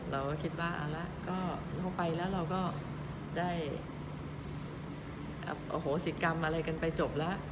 เราก็คิดว่าเอาละก็เข้าไปแล้วเราก็ได้อโหสิกรรมอะไรกันไปจบแล้ว